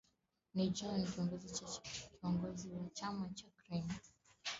ni john gomley kiongozi wa chama cha green